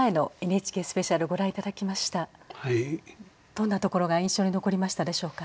どんなところが印象に残りましたでしょうか。